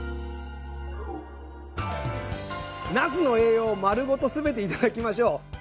なすの栄養を丸ごと全て頂きましょう！